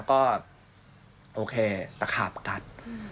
ก็โอเคตะขาบกัด